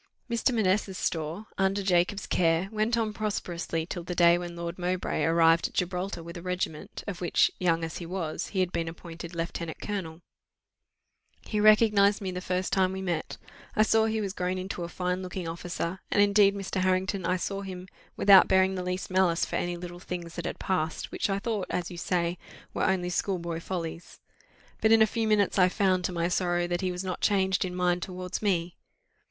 Mr. Manessa's store under Jacob's care went on prosperously till the day when Lord Mowbray arrived at Gibraltar with a regiment, of which, young as he was, he had been appointed lieutenant colonel: "He recognized me the first time we met; I saw he was grown into a fine looking officer; and indeed, Mr. Harrington, I saw him, without bearing the least malice for any little things that had passed, which I thought, as you say, were only schoolboy follies. But in a few minutes I found, to my sorrow, that he was not changed in mind towards me.